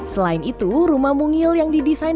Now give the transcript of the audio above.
selain itu rumah mungil yang didesain